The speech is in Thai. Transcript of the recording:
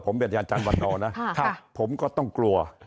ผมเป็นอาจารย์วันนอร์นะผมก็ต้องกลัว